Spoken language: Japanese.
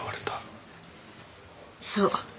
そう。